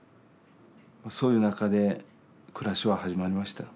そういう中で暮らしは始まりました。